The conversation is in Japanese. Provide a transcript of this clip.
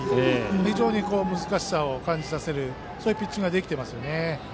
非常に難しさを感じさせるピッチングができてますね。